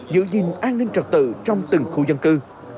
giữ gìn an ninh trật tự trong từng khu dân cư